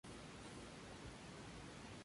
Sigue un modelo de desarrollo de lanzamiento móvil.